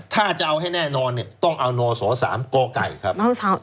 ถ้าจะเอาให้แน่นอนต้องเอานศ๓ก่อไก่ครับ